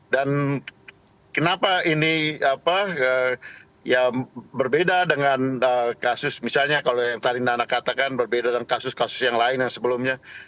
dan kenapa ini berbeda dengan kasus misalnya kalau yang tadi nana katakan berbeda dengan kasus kasus yang lain yang sebelumnya